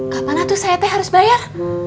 kapannya tuh saya teh harus bayar